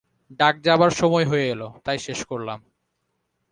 ডাক যাবার সময় হয়ে এল, তাই শেষ করলাম।